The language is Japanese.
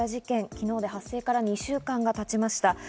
昨日で発生から２週間が経ちました。